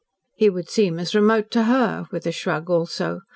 "He would seem as remote to her," with a shrug also.